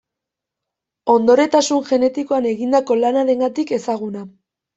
Ondoretasun genetikoan egindako lanarengatik ezaguna.